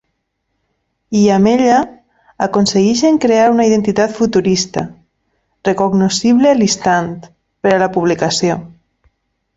I, amb ella, aconseguixen crear una identitat futurista, recognoscible a l'instant, per a la publicació.